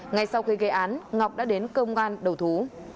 ngay sau khi gây án ngọc đã đến công an đầu thú